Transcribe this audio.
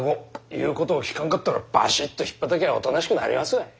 言うことを聞かんかったらバシッとひっぱたきゃあおとなしくなりますわい。